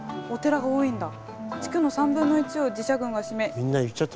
「地区の３分の１を寺社群が占め」。